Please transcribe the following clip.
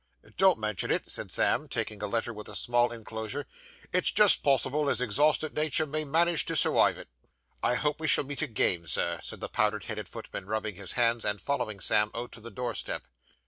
'Don't mention it,' said Sam, taking a letter with a small enclosure. 'It's just possible as exhausted natur' may manage to surwive it.' 'I hope we shall meet again, Sir,' said the powdered headed footman, rubbing his hands, and following Sam out to the door step.